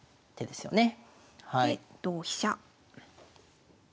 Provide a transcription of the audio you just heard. で同飛車。